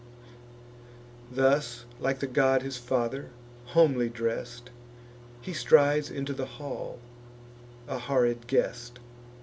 Thus, like the god his father, homely dress'd, He strides into the hall, a horrid guest.